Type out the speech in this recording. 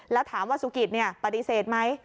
แล้วถามว่าสุกิตปฏิเสธไหม